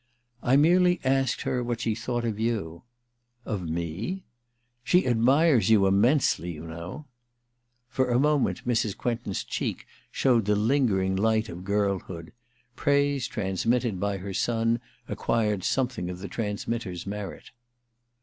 *I merely asked her what she thought of^^K.' f I THE QUICKSAND 289 *Ofme?' * She admires you immensely, you know/ For a moment Mrs. Quentin's cheek showed the lingering light of girlhood : praise trans mitted by her son acquired something of the transmitter's merit.